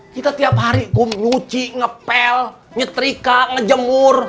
kita tiap hari kum nyuci ngepel nyetrika ngejemur